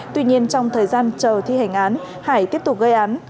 tuy nhiên trong thời gian chờ thi hành án hải tiếp tục gây án